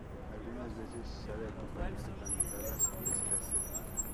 Algunas veces sabe acompañar bandadas mixtas.